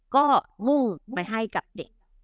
ก็มุ่งไปให้กับเด็ก